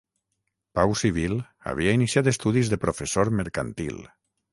Pau Civil havia iniciat estudis de professor mercantil.